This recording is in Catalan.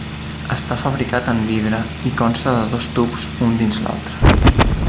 Està fabricat en vidre i consta de dos tubs un dins l'altre.